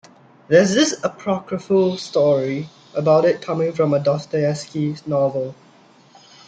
There's this apocryphal story about it coming from a Dostoyevsky novel.